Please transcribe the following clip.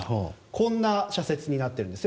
こんな社説になっています。